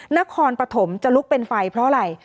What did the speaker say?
นครปฐมจะลุกเป็นไฟเพราะอะไร